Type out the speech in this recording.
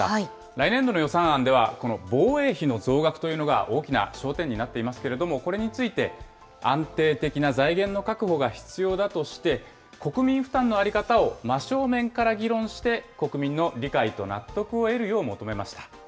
来年度の予算案では、この防衛費の増額というのが大きな焦点になっていますけれども、これについて、安定的な財源の確保が必要だとして、国民負担の在り方を真正面から議論して、国民の理解と納得を得るよう求めました。